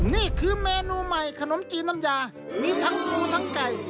นี่คือเมนูใหม่ขนมจีนน้ำยามีทั้งปูทั้งไก่